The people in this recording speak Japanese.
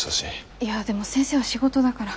いやでも先生は仕事だから。